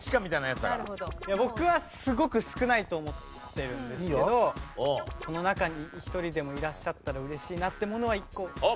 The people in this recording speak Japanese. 僕はすごく少ないと思ってるんですけどこの中に１人でもいらっしゃったら嬉しいなってものは１個。